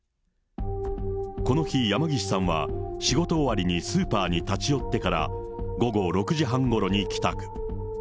この日、山岸さんは仕事終わりにスーパーに立ち寄ってから、午後６時半ごろに帰宅。